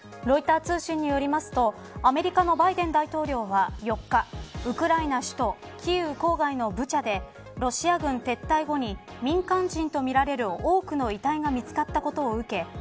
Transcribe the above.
ロイター通信によりますとアメリカのバイデン大統領は４日ウクライナ首都キーウ郊外のブチャでロシア軍撤退後に民間人とみられる多くの遺体が見つかったことを受け